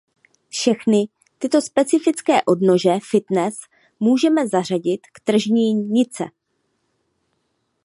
Všechny tyto specifické odnože fitness můžeme zařadit k tržní nice.